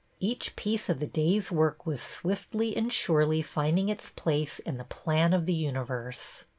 Each piece of the day's work was swiftly and surely finding its place in the plan of the universe.